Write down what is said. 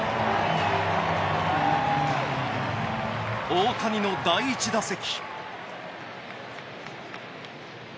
大谷の第１打席。